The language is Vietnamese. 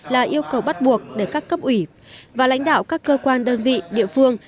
là yêu cầu bắt buộc để các cấp ủy và lãnh đạo các cơ quan đơn vị địa phương